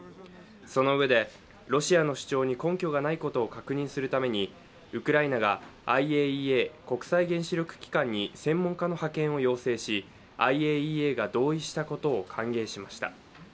そのうえで、ロシアの主張に根拠がないことを確認するためにウクライナがＩＡＥＡ＝国際原子力機関に専門家の派遣を要請し、ＩＡＥＡが同意したことを歓迎しました。